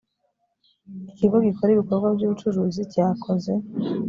ikigo gikora ibikorwa by ubucuruzi cyakoze